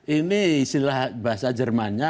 ini silah bahasa jerman nya